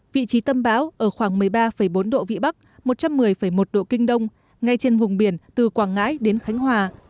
vị trí tâm bão ở khoảng một mươi ba bốn độ vĩ bắc một trăm một mươi một độ kinh đông ngay trên vùng biển từ quảng ngãi đến khánh hòa